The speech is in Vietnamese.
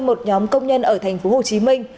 một nhóm công nhân ở thành phố hồ chí minh